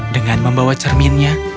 dengan membawa cerminnya